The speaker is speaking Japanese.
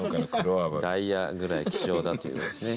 ダイヤぐらい希少だということですね。